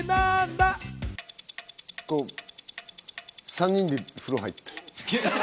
３人で風呂入った。